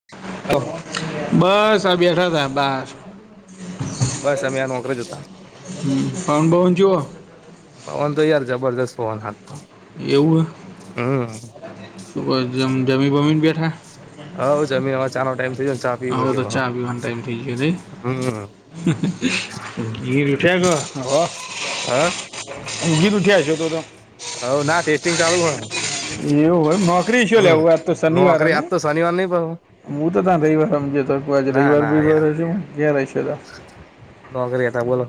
[inaudible] [inaudible] બસ આ બેઠાતા બાર બસ અમે આ નોકરી જતા હમ ફોન બોન જોઓ પવન તો યાર જબરદસ્ત પવન હાલ એવું હે શુ ક જ જમી વમીને બેઠા હ જમીનમાં ચાનો ટાઈમ થયો ચા પીવ હવે છે, તો ચા પીવાનો ટાઈમ થઈ ગયો નહીં હમ ગીર ઉઠ્યા ગ હ હ. ઉગીર ઉઠીયા છે, તો તો હવ ના ટેસ્ટિંગ ચાલુ હ એવું હોય નોકરી શું લેવું આ તો શનિવાર હને શનીવાર ની પર હું હું તો તં રવિવાર સમજુ તા આજે રવિવાર ના રવિવાર યાર હશે હ ક્યાં રહીશ તા. નોકરી હતા બોલો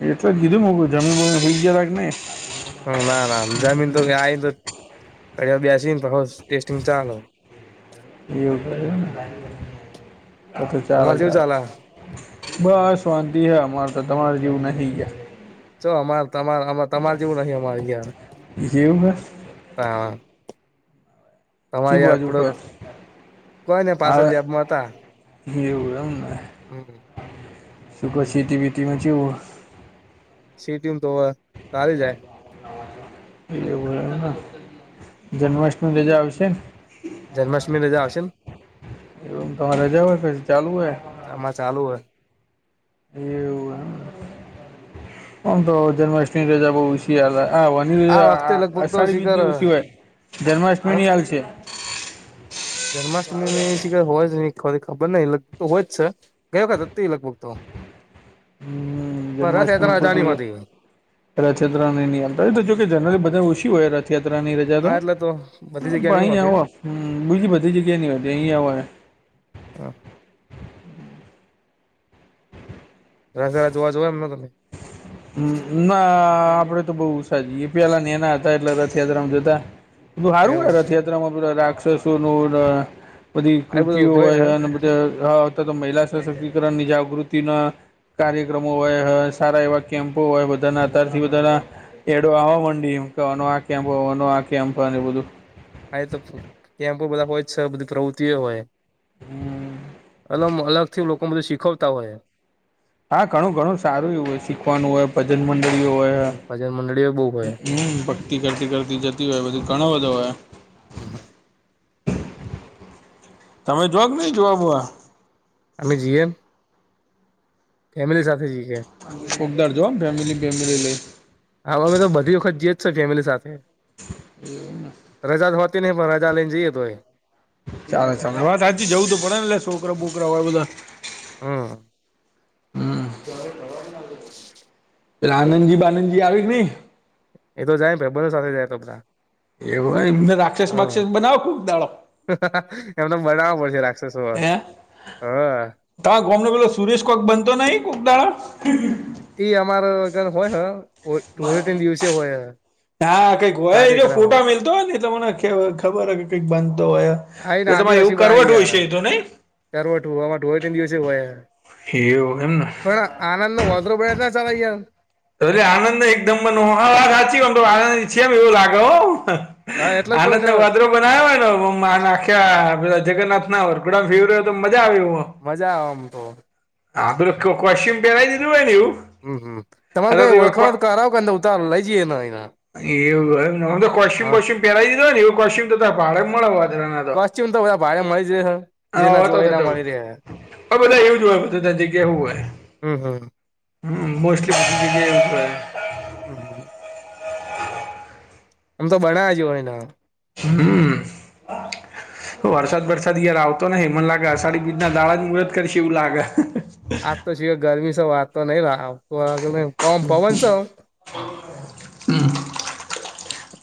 એટલે જ કીધું મું જમીન વમીન હોઈ ગરા કે નહી? હમ ના ના જમીન તો આ તો ઘળયા બેસીન પાહુ ટેસ્ટિંગ ચાલુ એવુ [unintelligible] ચાર અમારે જેવું હજાર ચાલે બસ વાંતી હે અમારે તો તમારે જેવું નાહી ગયા ચો અમાર તમાર તમાર જેવું ની અમારે અયા એવું હે હા શી તમારી બાજુ આપડત ફર કોઈ ને પાછ હા લેબમાં હતા હમ સુખ સેતીબેટીમાં [unintelligible] સિટી તો સારી જાય એવું જન્માષ્ટમી રજા આવશે જન્માષ્ટમી રજા આવશે ને એવમ તમારે રજા હોય પછી ચાલુ હોય ચામાં ચાલુ હોય એવું આમ તો જન્માષ્ટમી રજા આ વખતે લગભગ [unintelligible] તો અષાઢી શીખર બીજની સિવાય હ જન્માષ્ટમીની હાલ છે. જન્માષ્ટમી શિય હોય જ ન ખબર નય લગ તો હોય જ છે. ગઈ વખત હતી લગભગ તો હમ પર રથયાત્રા રજાની હોતી રથયાત્રા નીની [unintelligible] જો કે જનરલી બધા ઓછી હોય રથયાાની હા એટલે તો બધી જગ્યા પણ નહી અહી હોતી આવ, બીજી બધી જગ્યા ની હો અહી આવ. હ. [unintelligible] જોવા જો એમ ના તમે. હ ના આપડે તો બોવ છ જ એ પેલા એના હતા એટલે રથયાત્રામાં જતા બધું હારું એવું રથયાત્રામાં રાક્ષસો ન બધી આ બધું કૃતિઓ હોય હે અને હતા તો મહિલા સશક્તિકરણની જાગૃતિના કાર્યક્રમો હોય સારા એવા કેમ્પો હોય બધાના અતારથી બધના એડો આવા મંડીમ કેવાનો આ કેમપ હોવાનો આ કેમ્પ ને બધું હા એતો કેમ્પો બધા હોય જ છે, બધી પ્રવૃત્તિઓ હોય હમ. એલમ અલગથી લોકો બધું શીખવતા હોય હા ઘણું ઘણું સારું એવુ હોય શીખવાનું હોય ભજન મંડળીઓ હોયહે [unintelligible] બો હોય તી કરતી કરતી જતી હોય, બધી ઘણો બધો હોય. હમ્મ હમ્મ તમે જોક નહી જોવા બોઆ અમે જીએમ. ફેમિલી સાથે જી એ. ખૂબ દારજો ફેમિલી વેમિલી લઈ. હા અમેતો બધી વખત જીએજ છ ફેમિલી સાથે. એવું ના રજા તો હોતી નહિ, પણ રજા લેને જઈએ તો એ. ચાલો ચાલો વાત હા, જવું તું પડેને લે છોકરા બોકરા હોય બધા. હમ્મ હમ્મ પેલા આનંદજી બાનંદજી આવેકે નઈ? એ તો જાયન ભાઈ બધો સાથે જાય એતો બા એવુ હ એમને રાક્ષસ બાક્ષસ બનાવો કુક દાડો. હવેતો બનાવો પડશે રાક્ષસો, હ તા ગમનુ પેલો સુરેશ કોક બનતો નહી, કોક દાળ એઈ અમારો કન હોયન, હો ધૂળેટીન દિવસે હોય. હા કંઈક હોય, એજે કાર્યક્રમ ફોટા મેલતો હોયને તમોને કેવ ખબર હ કે કંઈક બનતો હોય. આઈને એતો ભાઇ એવું કરવટ હોય છે એ તો નહી કરવટ હુવાવા ધૂળેટીન દિવસે હોય. એેવુ હેના પણ આનંદનુ વોસારું બેટા સવાઇ ગયા. એટલે આનંદ એકદમ નો, હા સાચી વમતો આનંદ ઈચ્છીમ એવું લાગે હો. હા એટલે જ કહું આનંદ ને વાદરો બનાવ્યાં નો મો મા નાખ્યા, પેલા જગન્નાથ ના વરગોડામાં ફીરવે તો મજા આવી હો અ. મજા આવે આમતો આપડે કો કોશ્ચિયન પેરાવી દીધુ હોયને એવુ. હમ્મ હમ્મ તમારો કઈ ઓળખાણ કારાવ કંદ ઉતાર લઈ જઈએ એના, હા પેરાઈ દીધુ હોયને એવુ કોશ્ચિયમ જોજા પાળે મળે વોદરા કોસ્ટ્યુમ તો બધા ભાળે મળી જ હ, જેના જો હો એના મળી રહે હ. આ બધા એવું જ હોય, બધધા જગ્યા એવું હોય, હમ હમ હમ્મ મોસ્ટલી [inaudible] હમ્મ આમ તો બડાજીવોય ના હમ્મ [inaudible] તો વરસાદ બરસાદ યાર આવતો નહી, મને લાગે અષાઢી બીજના દાળા મુરત કરશે એવું લાગે. આજ તો સિ ગરમી સ વાત તો નઈ રાહાહુ, વાઘ મે ઓમ પવન સે. હમ્મ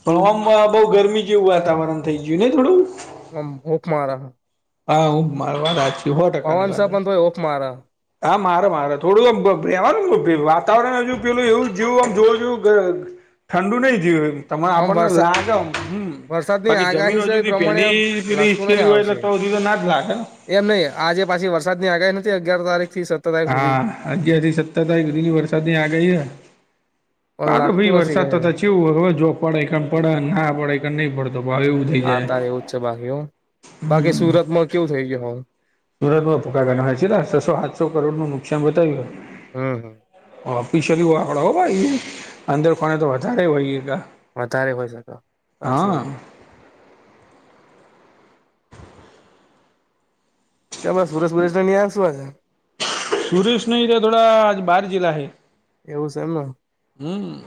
પવહમ વા બઉ ગરમી જેવું વાતાવરણ થઈ ગયું ને થોડું. ઓમ ભૂખમારા હા હું મારવા રાજ છુહો ટકાની પવન છે વાત હે. પણ તોય હૂફ મારે હા મારે મારે થોડું ઓમ બે ભેવાનું, ફિર વાતાવરણ હજુ પેલું એવું જેવું આમ જોયુ ગ ઠંડુ નહી જીવ એમ બી તમે આમ આપણને વરસાદ લાગ, હમ્મ વરસાદની બાકી જમીન આગાહી છે હજુ એ દી પ્રમાણે પહેનીની લાગતું નહી સ્કેલી હોય ને આવશે તો હુધી તો નાજ નાખે એમ નહીહે, આજે પાછી વરસાદની આગાહી નથી અગિયાર તારીખ થી સ હા અગિયાર થી સત્તર તારીખ હુધી ની વરસાદની આગાઈ હે. પણ કા તો ભી લાગતું નથી વરસાદ કહે થતા છેવું હવે જો પડે કેમ પડે ના પડે કે નહી પડતો તોવે એવું થઈ આ જાય. તારે એવું છે બાકી હો બાકી સુરતમાં કેવું થઈ ગયુ હો? સુરતમાં ભૂકા કાઢી [inaudible] છસો સાતસો કરોડ નું નુકસાન બતાવ્યું. હમ હમ ઓફિસયલી [inaudible] અંદર પાણી તો વધારે વય ગયા તા વધારે હોય શકે સાચી વાત સુરેશ [inaudible] સુરેશ નહી તો થોડા બાર જીલા હૈ એવું છે એમ ને હમ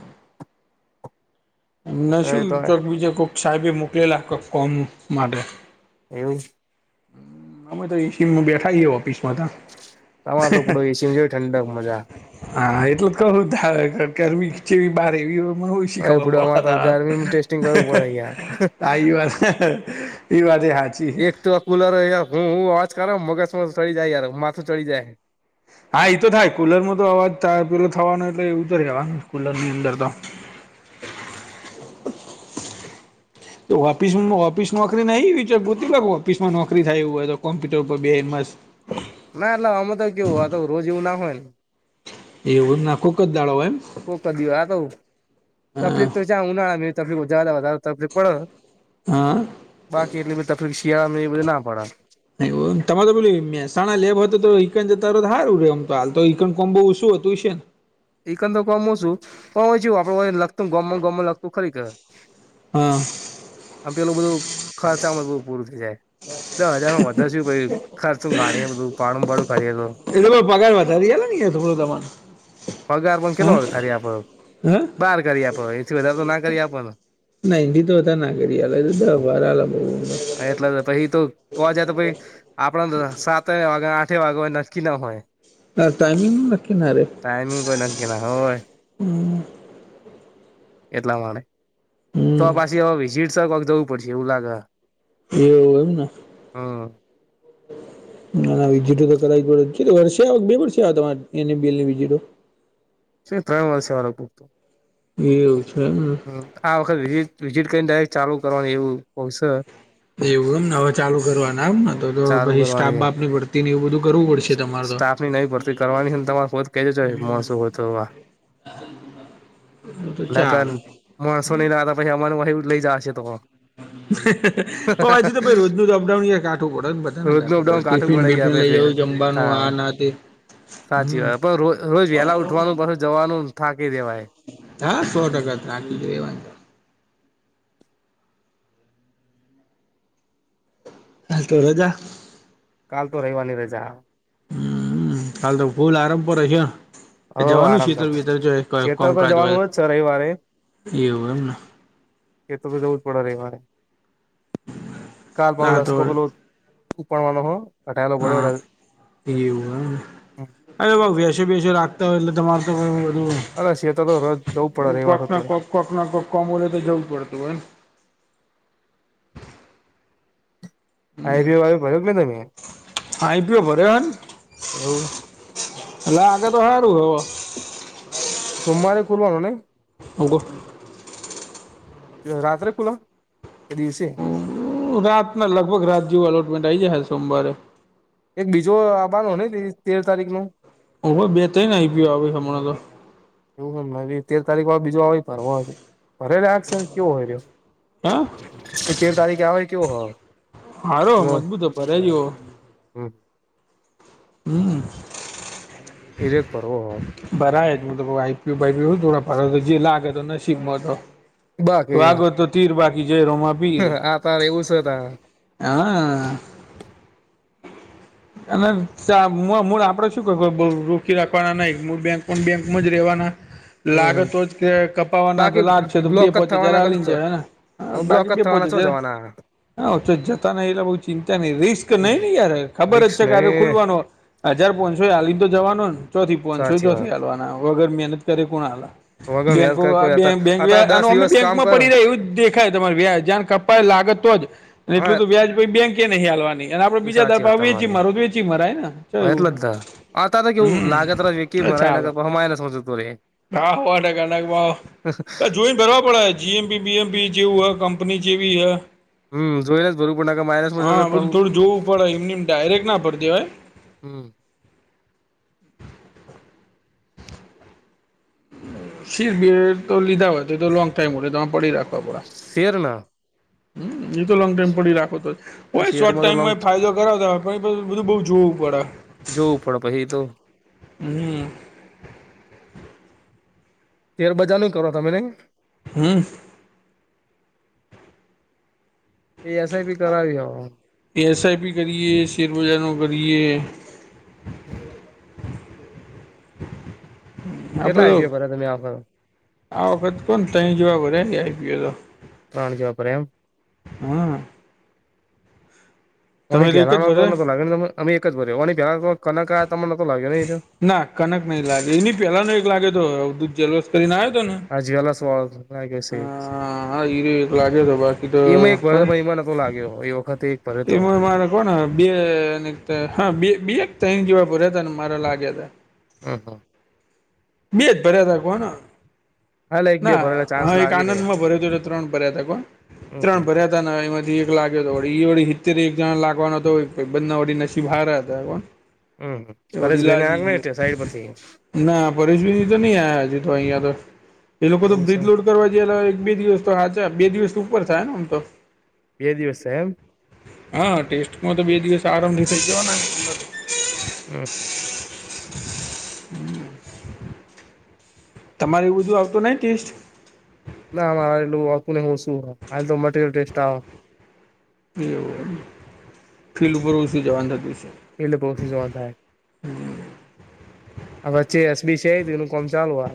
એમને શું ને તો ચોક બીજે કોઈક સાહેબે મોકલેલા કોક ફોર્મ માટે એવું જ હા તો એસીમું બેઠાઇ હો ઓફિસમાં તમાર તો પડો એસી માં જો ઠંડક મજા હા એટલે કવું થાર ગરમી ચેવી બહાર એવી એપડું અમારે તો ગરમીમાં ટેસ્ટિંગ કરવું પડે યાર [inaudible] એ વાતે હા એક તો કુલર યાર હું હું અવાજ કર મગજમાં ચડી જાય યાર માથું ચડી જાય. હા એ તો થાય કુલર ન તો અવાજ પેલો થવાનો એટલે એ ઉતરી જવાનો કુલર ની અંદર તો તો ઓફિસ ઓફિસ નોકરી નહી એવી ગોતીલો ઓફિસમાં નોકરી થાય એવી હોય તો કોમ્પ્યુટર ઉપર બે એન માસ ના એટલે અમે તો કેવું તો રોજ એવું ના હોય ને એવું નાખું કોક જ દાડવ હોય એમ [inaudible] આ તો હા તકલીફ તો ચાણ ઉનાળા મે તકલીફ વધારે તકલી પડે હા બાકી એટલી બધી તકલીફ શિયાળામાં એ બધી ના પડે એ તમારે તો પેલી મેહસાણા લેબ હતો તો ઈકન જતા રો તો‌ હારુ રે એમ તો હાલ તો ઈકન કોબ બઉ ઓશુ હતું છે ને એકંદક કામ ઓશુ પણ જોવું આપડ લખતું [inaudible] લખતું ખરી કે હમ આમ પેલું બધું ખર્ચામાં બુ પૂરું થઈ જાય દસ હજાર માં વધારે [inaudible] [inaudible] એ તો પગાર વધારી [inaudible] થોડું તમાને પગાર પણ કેટલો વધારી આપડ હા બહાર કરી આપો એથી વધારે તો ના કરી આપને ના એની તો બધા ના કરી [inaudible] એટલે પહી તો જાય તો ભાઈ આપણને સાતે વાગે આઠે વાગે હોય નક્કી ન હોય. ત ટાઈમિંગ લખી ના રહે ટાઈમિંગ કોઈ નક્કી ના હોય એટલા માટે તો હમ આ પાછી વિઝિટસક કોક જવું પડશે એવું લાગે એવ એમ ને હા [inaudible] [unintelligible] એવું છે એમ આ વખત વિઝટ વિઝિટ કરીને ડાયરેક ચાલુ કરવાનું એવું હોશે એવું એમને હવે ચાલુ કરવાના એમ તો ચાલુ પહી કરવાની સ્ટાફ છે બાપની ભરતી ને એવું બધું કરવું પડ સ્ટાફ ની નઈ ભરતી કરવાની છે ને તમારે કો કેજો [unintelligible] હોય તો [inaudible] હુ તો ચાલ નકર માણસો નહીંતા પછી અમાર [inaudible] લઈ જાયશે તો પ હછી તો રોજ નુ અપડાઉન કાઠું પડે ને બધા ને રોજનું તો અપડાઉન કાઠું ટિફિન પડી બિફિન લઇ ગયા જવું ત જમવાનું આ ના તે સાચી વાત પણ રો રોજ વહેલા ઉઠવાનું પસ જવાનું થાકી રેવાય. હા સો ટકા ત્રાકી જ રેવાની હાલ તો રજા કાલ તો રવિવાર ની રજા હમ્મ કાાલ તો ફૂલ આરમ પર રહીયે હવે જવાનું આરામ શીતર થશે વતર જો ખેતર કોમ પર કજ હો જવાનું હોય જ છે રવિવારે એવું એમને એ તો તો જવું જ પડે રે મારે કાલ હા તો પાહલાસકોકલ ઉપડવાનો હો હ એવું હ અરે ભ વસે બેસે રાખતા હોય એટલે તમાર તો બધું અ સે તો તો રોજ જવું પડે ર કોક એવાતો ના હોય કોક કોક ના કોઈ કમ હોલેય તો જું પડતુ હોને હમ્મ હાઈવે વાઈવે ભર્યો કે નઈ તમે થાઈ પીયો એવું [unintelligible] હલે આગે તો હો રું હ સોમવારે ખુલવાનો ને [unintelligible] રાત્રે કુલે દિવસે રાત ના લગભગ રાત જેવું અલોટમેન્ટ આ આવી જાય હ સોમવારે એક બીજો આભાર ન હો ને તેર તારીખ નું ઓવે બે થયને આવી ગયો આવે હમણાં તો એવું તેર તારીખ બીજું આવે ફરવા ફરે આ છે કેવો હોય રહ્યો હે [inaudible] તો તેર તારીખે આવે કેવો હોય હારો મજબૂતો પર્યા જોયો હમ્મ હમ્મ ઈરેખ પર્વ ભરાય જ હ તો આઈપી ભરયુ થોડ ફ તો જે લાગે તો નબ મો તો તો બાકી આગો તો તીર બાકી જયરોમાં પીર આ તાર એવું છે તાર હા અને આપડે શું ક રોકી રાખવાના નહી બેંક પણ બેં એમજ રહેવાના હમ લાગતો જ કે કપાવાના તો બાકી લાગશે તો બે બ્લોક જ પોચે થવાના જરા લને જ કશું હેને હ બ્લોક બાકી જ બે પહોંચે થવાના છો છે જવાના હા તો જતા ન એટલે બ ચિંતા નહ રિસ્ક હમ નહી નહ યાર ખબર રિક્સ જ છે ક નહી ખુલવાનો હજાર પોંચોય હલી તો જવાનો ચોથી પોંચોય સાચી ચોથી વાત હ વગર મહેનત કરે કોણ આલે લ વગમ યાદ બેકો કર કોઈ હતા બેક અતાર દસ વ્યા અમે દિવસ કામ બેંકમાં કર પડી રહ્યા એવું જ દેખાય તમારે વ્યા જ લાગત જ હા એટલું તો વ્યાજ બેંકે નહીં હાલવાની અને આપડે બીજા પાહે વેચી તમારે મારો તો વેચી મરાય ને ચો એવું એટલે હ જ આ ત તો કેવું લાગત હમ વ્યકી મરાનગર હમા સમજતો રે રાા હોવાને કનાકમાં જોઈ બરાબર જીએમપી બીએમપી જેવું કંપની જેી હ હમ જોઈને જ ભરવું પડે કે માઇનસમાં જતો હા પહુ બધું થોડું જોવું પડે એમને ડાયરેક્ટ ના પડતી હોય હમ્મ શિરબી તો લીધા હોય તો એ તો લોંગ ટાઈમ હોય તોરે પડી રાખવા પડે શેરના હમ્મ એ તો લોંગ ટાઈમ પડી રાખો તો હોય શોર્ટ શેરમાં તો ટાઈમ લોંગ માં ફાયદો કરાવતા બધું બઉ જોવું પડે જો ઉપડ પચી તો હમ્મ શેર બજાર નું કરો તમ ને. હમ્મ. એ એસઆઈ બી કરાવી હો. એ એસ આઈ પી કરીએ શેર બજનો કરીએ. હમ્મ. આપડે કેટલા તો આઈડિયા ભરા તમે આમ. આ વખત પણ તહી જવાબરે આઈ પી એલ લો. ત્રણ [unintelligible] રેમ હમ્મ. ઓ તમે તો એક જ પેલાનો ભર્યા તોતો લાગે ને ત અમે એક જ ભેલા કન તમનેતો લાગે ને. ના કનક નહી લાગે એની પેલા ન એક લાગે તો [unintelligible] કરીને આવ્યો હતો ને. જલેસ વાળો લાગે છે. હા હા એ રે એક લાગે તો બાકી તો એમાં એક ભર્યો તો પણ એમાં નતો લાગ્યો એ વખતે એક ભર્યો તો એમાં મારે પણ બે ને કત હા બે એક ત્યાં જેવા ભર્યા તા ને મારે લાગ્યા હતા. ઓ હો. બે જ ભર્યા હતા કોણ. હાલે એક બે ના ભરેલા ચાન્સ હા એક લાગી રે આનંદમાં ભર્યો ત ત્રણ ભર્યા ત કોણ હમ હમ ત્રણ ભર્યા તન એમાંથી એક લાગ્યો હતો વળી હિ વળી હિતતે એક જણા લાગવાનો તો બંને વળી નસી ભાર્યા હતા પણ. હમ ફેશ બેને આગ ન સાઈડ પરથી. પરેશ તો નહી આયા હજુ તો અહિયા તો એ લોકો તો એવું છે બ્રિજ લોડ કરવા [unintelligible] એક બે દિવસ તો હાચ બે દિવસ ઉપર થાય ને આમ તો. બે દિવસે થાય એમ. હા ટેસ્ટમાં તો બે દિવસ આરામથી થઈ જવાના ને. હમ્મ. [inaudible] તમારે એવું બધું આવતો નહી ટેસ્ટ. ના મારે એટલું [unintelligible] આ તો મટરિયલ ટેસ્ટ આવે. એવું ફિલ્ડ ઉપર ઓછી જવાનું થતું છે. એટલે [unintelligible] જોવા નું થાય. આ વચ્ચે એસબી છે એનું કોમ ચાલુ આ.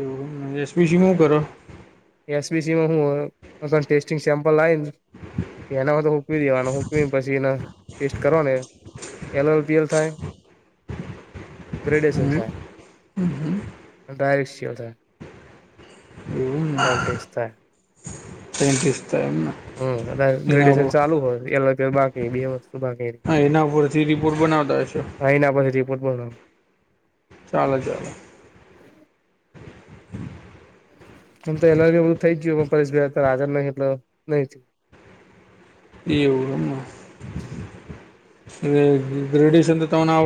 એવ એસ પી સી હું કરો. એસબીસી માં હું ત ટેસ્ટિંગ સેમ્પલ લાવી ને એના હો તો હૂકકીવી દેવા નું હૂકવીને પછી ના ટેસ્ટ કરવા ને એલ એલ પીએલ થાય. ગ્રેડશન થાય ડાયરેક થાય. ત્રણ ટેસ્ટ થાય. પેટીસ થયા ને. હમ્મ કદાચ ગ્રેડ્યએશન ચાલુ હો એ બાકી બે વસ્તુ બાકી. એના ઉપરથી બી હા એના પરથી રિપોર્ટ બેયનો. ચાલો ચાલો. આમ તો એના જેવું થઈ જ ગયું પર [unintelligible] નહી થય એવું એમ ગ્રેડસન તો તને આવ